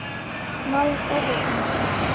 Налын огыл